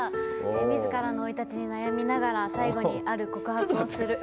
自らの生い立ちに悩みながら最後にある告白をする。